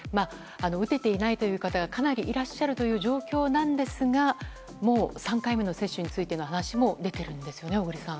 打てていないという方がかなりいらっしゃる状況ですがもう３回目の接種についての話も出ているんですよね、小栗さん。